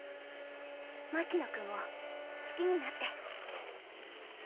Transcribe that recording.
牧野くんを好きになって。